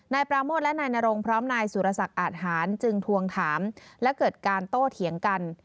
นายปราโมทและนายนรงพร้อมนายสุรศักดิ์อาทหารจึงทวงถามและเกิดการโต้เถียงกัน